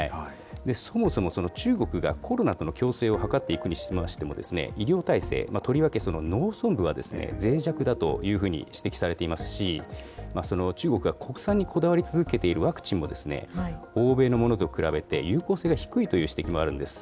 そもそも中国がコロナとの共生を図っていくにしましても、医療体制、とりわけ農村部はぜい弱だと指摘されていますし、中国が国産にこだわり続けているワクチンも、欧米のものと比べて有効性が低いという指摘もあるんです。